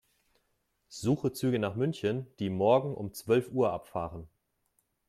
Suche Züge nach München, die morgen um zwölf Uhr abfahren.